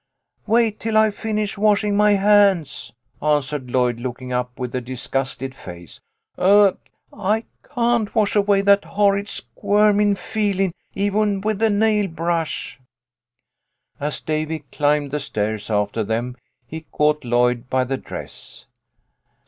" Wait till I finish washing my hands," answered Lloyd, looking up with a disgusted face. " Ugh ! I can't wash away that horrid squirmin' feelin', even with a nail brush." As Davy climbed the stairs after them he caught Lloyd by the dress.